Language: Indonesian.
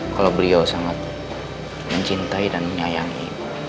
kalau beliau sangat mencintai dan menyayangi